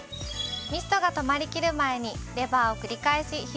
ミストが止まりきる前にレバーを繰り返し引いてみてください。